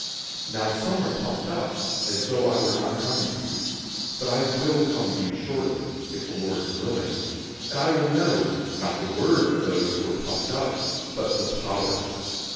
004:018 Now some are puffed up, as though I were not coming to you. 004:019 But I will come to you shortly, if the Lord is willing. And I will know, not the word of those who are puffed up, but the power.